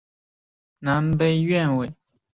碑址现在中国吉林省集安市集安镇好太王陵东。